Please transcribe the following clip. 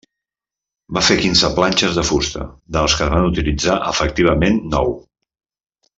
Va fer quinze planxes de fusta, de les que en va utilitzar efectivament nou.